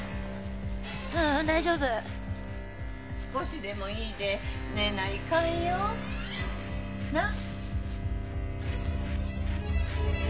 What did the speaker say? ううん大丈夫少しでもいいで寝ないかんよなっ？